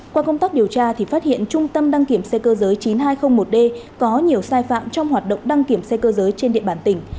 qua công tác điều tra thì phát hiện trung tâm đăng kiểm xe cơ giới chín nghìn hai trăm linh một d có nhiều sai phạm trong hoạt động đăng kiểm xe cơ giới trên địa bàn tỉnh